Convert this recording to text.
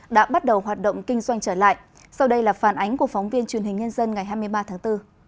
đã bắt đầu hoạt động kinh doanh trở lại sau đây là phản ánh của phóng viên truyền hình nhân dân ngày hai mươi ba tháng bốn